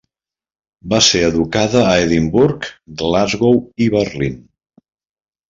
Va ser educada a Edimburg, Glasgow i Berlín.